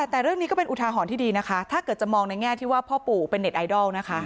แต่เรื่องนี้ก็เป็นอุทาหรณ์ที่ดีนะคะถ้าเกิดจะมองในแง่ที่ว่าพ่อปู่เป็นเน็ตไอดอลนะคะ